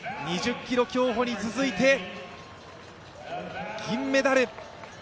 ２０ｋｍ競歩に続いて銀メダル。